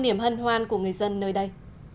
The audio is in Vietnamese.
điểm hân hoan của người dân nơi đây